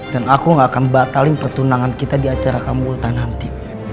dan aku gak akan batalin pertunangan kita di acara kamu ulta nanti